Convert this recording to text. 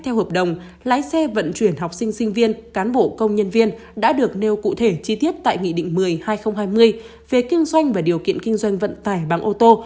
theo hợp đồng lái xe vận chuyển học sinh sinh viên cán bộ công nhân viên đã được nêu cụ thể chi tiết tại nghị định một mươi hai nghìn hai mươi về kinh doanh và điều kiện kinh doanh vận tải bằng ô tô